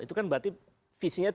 itu kan berarti visinya